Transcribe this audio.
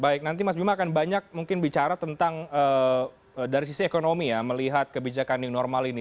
baik nanti mas bima akan banyak mungkin bicara tentang dari sisi ekonomi ya melihat kebijakan new normal ini